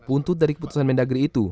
buntut dari keputusan mendagri itu